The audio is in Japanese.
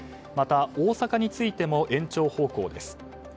また、大阪についても延長方向です。